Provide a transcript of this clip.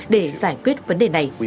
để giải quyết vấn đề này